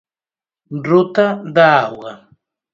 Ruta da Auga.